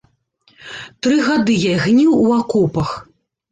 Тры гады я гніў у акопах.